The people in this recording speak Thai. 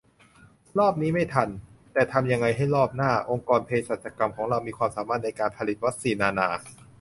รอบนี้ไม่ทัน แต่ทำยังไงให้ในรอบหน้า องค์การเภสัชกรรมของเรามีความสามารถในการผลิตวัคซีนนานา